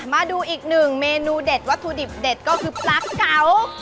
มาดูอีกหนึ่งเมนูเด็ดวัตถุดิบเด็ดก็คือปลาเก๋า